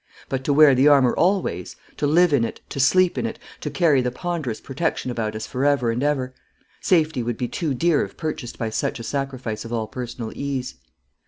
But to wear the armour always, to live in it, to sleep in it, to carry the ponderous protection about us for ever and ever! Safety would be too dear if purchased by such a sacrifice of all personal ease.